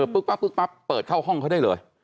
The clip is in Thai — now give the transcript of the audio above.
ปุ๊กปั๊บปุ๊กปั๊บเปิดเข้าห้องเขาได้เลย